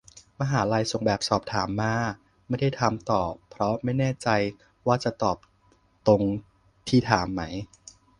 มหาลัยส่งแบบสอบถามมา ไม่ได้ทำต่อ เพราะไม่แน่ใจว่าจะตอบตรงที่ถามไหม